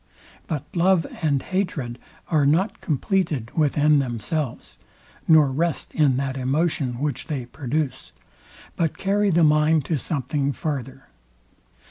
But love and hatred are not compleated within themselves, nor rest in that emotion, which they produce, but carry the mind to something farther.